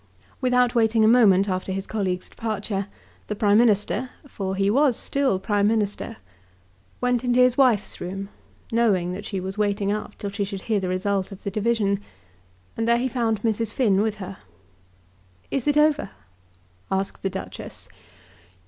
Without waiting a moment after his colleague's departure, the Prime Minister, for he was still Prime Minister, went into his wife's room, knowing that she was waiting up till she should hear the result of the division, and there he found Mrs. Finn with her. "Is it over?" asked the Duchess.